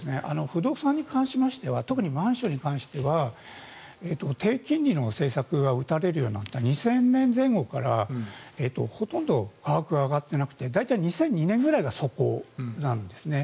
不動産に関しては特にマンションに関しては低金利の政策が打たれるようになった２０００年前後からほとんど価格が上がってなくて大体２００２年ぐらいが底なんですね。